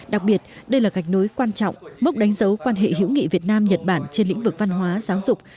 đặc biệt đây là gạch nối quan trọng mốc đánh dấu quan hệ hữu nghị việt nam nhật bản trên lĩnh vực văn hóa giáo dục